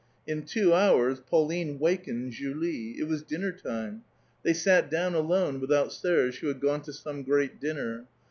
In two hours, Pauline wakened Julie : it was dinner time. They sat down alone without Serge, who had gone to some great dinner.